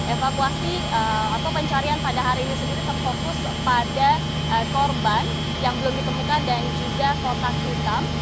evakuasi atau pencarian pada hari ini sendiri terfokus pada korban yang belum ditemukan dan juga kotak hitam